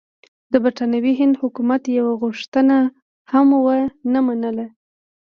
د برټانوي هند حکومت یوه غوښتنه هم ونه منله.